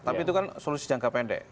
tapi itu kan solusi jangka pendek